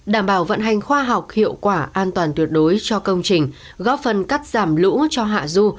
đảm bảo vận hành khoa học hiệu quả an toàn tuyệt đối cho công trình góp phần cắt giảm lũ cho hạ du